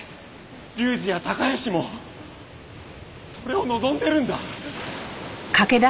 隆司や孝良もそれを望んでるんだ。